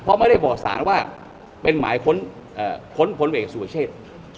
เพราะไม่ได้บอกสารว่าเป็นหมายค้นพลเอกสุรเชษ